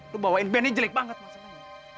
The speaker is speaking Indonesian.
lu bawain band ini jelek banget masa kan